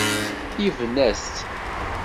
Yebna-t.